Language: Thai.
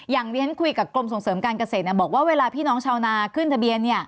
อย่างที่ฉันคุยกับกรมส่งเสริมการเกษตรบอกว่าเวลาพี่น้องชาวนาขึ้นทะเบียน